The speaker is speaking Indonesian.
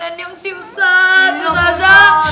yang simsat ustazah